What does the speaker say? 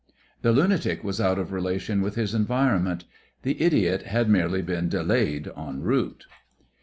The lunatic was out of relation with his environment; the idiot had merely been delayed en route.